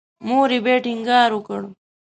مور یې بیا ټینګار وکړ.